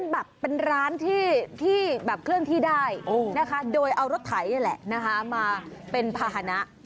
เป็นแบบเป็นร้านที่ใบเครื่องที่ได้โดยเอารถไขยันแหละมาเป็นพาหนะ